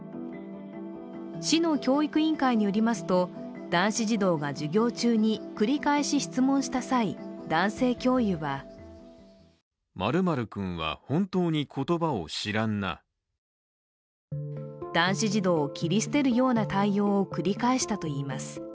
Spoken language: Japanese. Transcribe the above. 市の教育委員会によりますと男子児童が授業中に繰り返し質問した際、男性教諭は男子児童を切り捨てるような対応を繰り返したといいます。